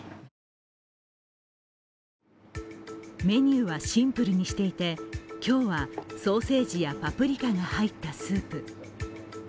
メニューはシンプルにしていて今日はソーセージやパプリカが入ったスープ。